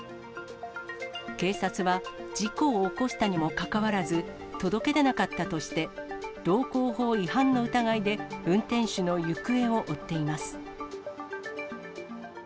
警察は事故を起こしたにもかかわらず、届け出なかったとして、道交法違反の疑いで運転手の行方を追っています。